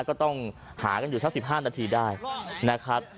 ก็ต้องหากันอยู่สัก๑๕นาทีได้นะครับ